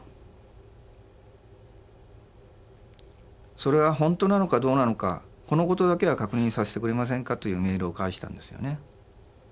「それはホントなのかどうなのかこのことだけは確認させてくれませんか」というメールを返したんですよね。